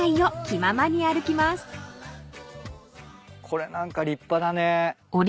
これなんか立派だね。